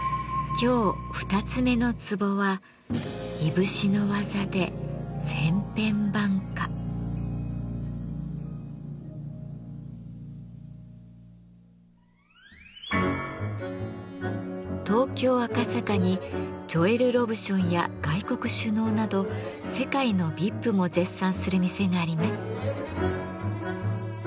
今日二つ目のツボは東京・赤坂にジョエル・ロブションや外国首脳など世界のＶＩＰも絶賛する店があります。